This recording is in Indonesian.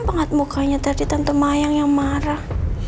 banget mukanya tadi tante mayang yang marah